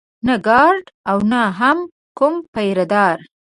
نه ګارډ و او نه هم کوم پيره دار.